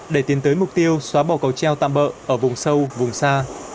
để tiến tới mục tiêu xóa bỏ cầu treo tạm bỡ ở vùng sâu vùng xa